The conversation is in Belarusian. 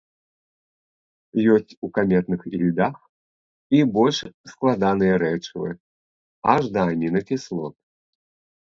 Ёсць у каметных ільдах і больш складаныя рэчывы, аж да амінакіслот.